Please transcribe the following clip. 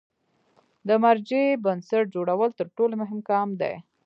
د مرجع بنسټ جوړول تر ټولو مهم ګام دی.